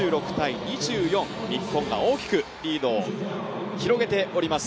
日本が大きくリードを広げております。